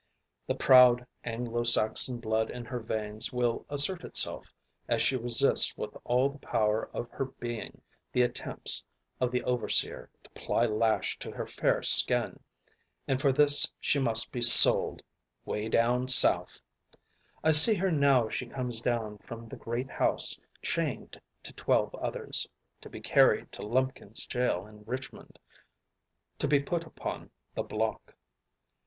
The proud Anglo Saxon blood in her veins will assert itself as she resists with all the power of her being the attempts of the overseer to ply lash to her fair skin, and for this she must be sold "Way down Souf." I see her now as she comes down from the "Great House," chained to twelve others, to be carried to Lumpkin's jail in Richmond to be put upon the "block."